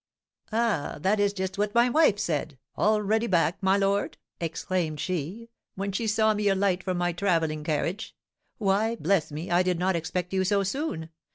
"Ah, that is just what my wife said! 'Already back, my lord?' exclaimed she, when she saw me alight from my travelling carriage; 'Why, bless me, I did not expect you so soon!'